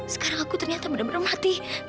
sekarang aku ternyata bener bener mati